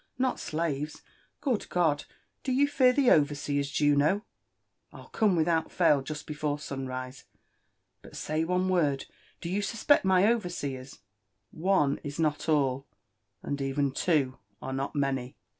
Not slaves !— Good God !— do you fear the overseers, .Juno ■?— {'11 Gome without fail, jest before sun rise.— But say one ^ord, — do you suspect my overseers 7" " One is not all — and even two are not many.